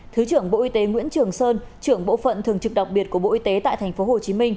thứ trưởng bộ y tế nguyễn trường sơn trưởng bộ phận thường trực đặc biệt của bộ y tế tại tp hcm